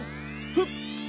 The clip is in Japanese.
フッ！